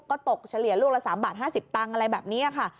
ก็ตกเฉลี่ยลูกละ๓บาท๕๐ตังค์อะไรแบบนี้ค่ะ